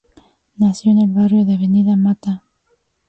Nació en el barrio de Avenida Matta.